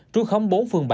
trú khống bốn phường bảy